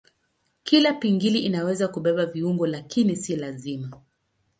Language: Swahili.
Kila pingili inaweza kubeba viungo lakini si lazima.